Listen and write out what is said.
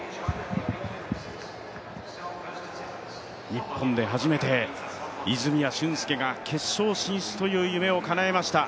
日本で初めて泉谷駿介が決勝進出という夢をかなえました。